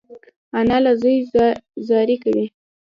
انا له زوی زاری کوي